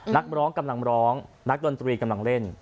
นักร้องกำลังร้องนักดนตรีกำลังเล่น